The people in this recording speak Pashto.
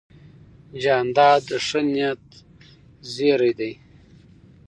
جانداد د ښه نیت زېرى دی.